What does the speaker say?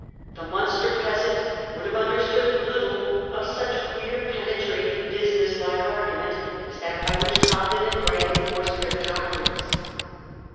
The Munster peasant would have understood little of such clear penetrating business like argument as that by which Cobden and Bright enforced their doctrines.